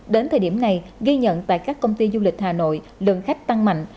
đến thời điểm này ghi nhận tại các công ty du lịch hà nội lượng khách tăng mạnh